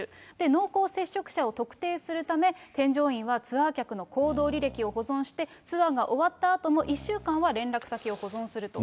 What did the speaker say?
濃厚接触者を特定するため、添乗員はツアー客の行動履歴を保存して、ツアーが終わったあとも１週間は連絡先を保存すると。